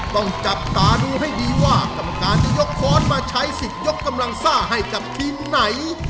ต้องจับตาดูให้ดีว่ากรรมการจะยกค้อนมาใช้สิทธิ์ยกกำลังซ่าให้กับทีมไหน